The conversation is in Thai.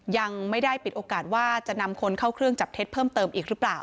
ยังไม่ได้ปิดโอกาสว่าจะนำคนเข้าเครื่องจับเท็จเพิ่มเติมอีกหรือเปล่า